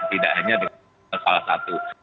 tidak hanya dengan salah satu